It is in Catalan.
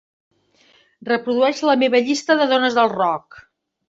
Reprodueix la meva llista de dones del rock.